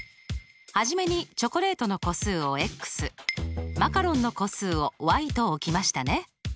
初めにチョコレートの個数をマカロンの個数をと置きましたね。